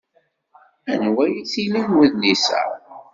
Anwa ay t-ilan wedlis-a?